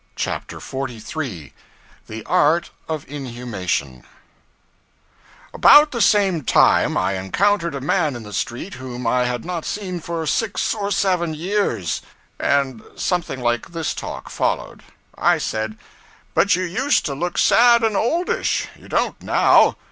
CHAPTER 43 The Art of Inhumation ABOUT the same time, I encountered a man in the street, whom I had not seen for six or seven years; and something like this talk followed. I said 'But you used to look sad and oldish; you don't now.